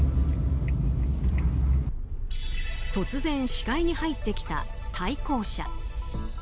突然視界に入ってきた対向車。